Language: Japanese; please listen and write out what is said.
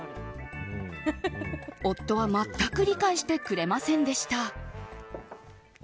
夫は全く理解してくれませんでした。